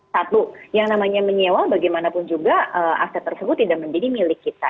satu yang namanya menyewa bagaimanapun juga aset tersebut tidak menjadi milik kita